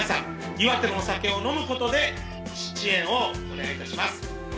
岩手のお酒を飲むことで支援をお願いいたします。